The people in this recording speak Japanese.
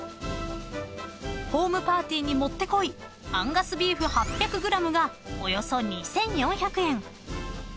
［ホームパーティーにもってこいアンガスビーフ８００ｇがおよそ２，４００円］